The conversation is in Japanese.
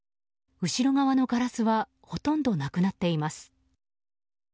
後ろ側のガラスはほとんどなくなっています。